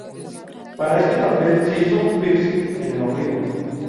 Para este papel se hizo un piercing en el ombligo.